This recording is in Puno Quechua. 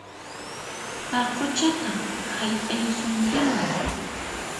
Paquchataq hayt'ayusunkiman!